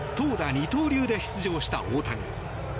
二刀流で出場した大谷。